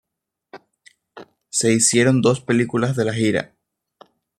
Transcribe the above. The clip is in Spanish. Se hicieron dos películas de la gira.